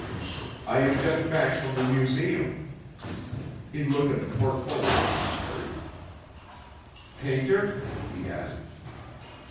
"I am just back from the Museum." (He looked at the portfolio she carried.) "Painter?" he asked.